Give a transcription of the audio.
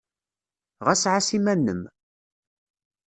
Ɣas ɛass iman-nnem!